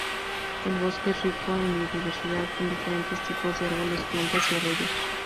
El bosque es rico en biodiversidad, con diferentes tipos de árboles, plantas y arroyos.